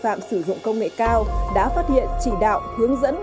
các đội dạng sử dụng công nghệ cao đã phát hiện chỉ đạo hướng dẫn